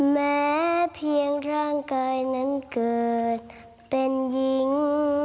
แม้เพียงร่างกายนั้นเกิดเป็นหญิง